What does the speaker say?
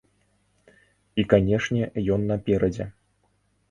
І, канечне, ён наперадзе.